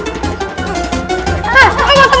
programnya ini matang semua